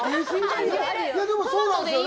でも、そうなんですよね。